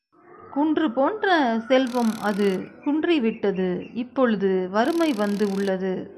குன்று போன்ற செல்வம் அது குன்றி விட்டது இப்பொழுது வறுமை வந்து உள்ளது.